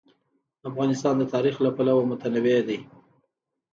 افغانستان د تاریخ له پلوه متنوع دی.